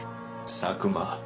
佐久間。